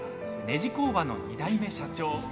ねじ工場の２代目社長。